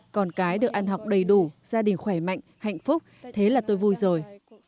con cái được ăn học đầy đủ gia đình khỏe mạnh hạnh phúc thế là tôi vui rồi